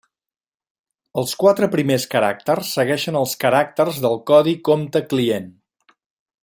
Als quatre primers caràcters segueixen els caràcters del Codi Compte Client.